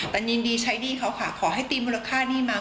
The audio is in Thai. ตันยินดีใช้หนี้เขาค่ะขอให้ตีมูลค่าหนี้มา